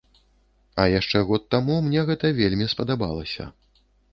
Але яшчэ год таму мне гэта вельмі спадабалася.